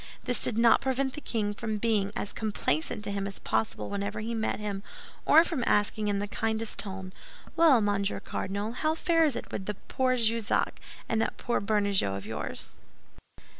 This did not prevent the king from being as complacent to him as possible whenever he met him, or from asking in the kindest tone, "Well, Monsieur Cardinal, how fares it with that poor Jussac and that poor Bernajoux of yours?"